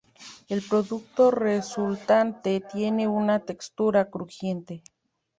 El producto resultante tiene una textura crujiente.